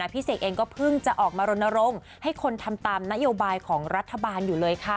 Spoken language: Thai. พี่เสกเองก็เพิ่งจะออกมารณรงค์ให้คนทำตามนโยบายของรัฐบาลอยู่เลยค่ะ